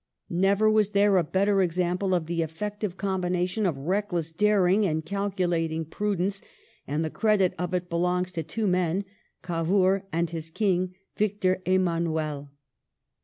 Never was there a better example of the effective combination of reckless daring, and calculating prudence, and the credit of it belongs to two men — Cavour and his King, Victor Emmanuel.